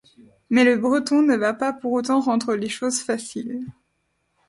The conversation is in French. Mais le Breton ne va pas pour autant rendre les choses faciles.